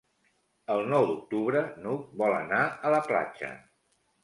El nou d'octubre n'Hug vol anar a la platja.